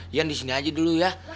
iyan disini aja dulu ya